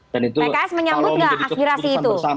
pks menyambut gak aspirasi itu